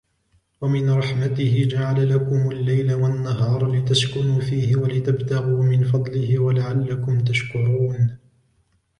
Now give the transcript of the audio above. وَمِنْ رَحْمَتِهِ جَعَلَ لَكُمُ اللَّيْلَ وَالنَّهَارَ لِتَسْكُنُوا فِيهِ وَلِتَبْتَغُوا مِنْ فَضْلِهِ وَلَعَلَّكُمْ تَشْكُرُونَ